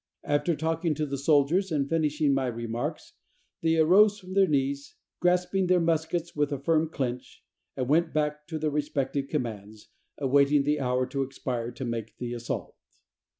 "After talking to the soldiers and finishing my remarks, they arose from their knees, grasping their muskets with a firm clinch, and went back to their respective commands, awaiting the hour to expire to make the assault."